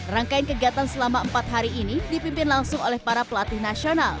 rangkaian kegiatan selama empat hari ini dipimpin langsung oleh para pelatih nasional